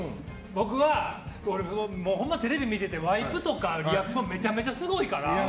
僕は、ほんまテレビ見ててワイプとか、リアクションめちゃめちゃすごいから。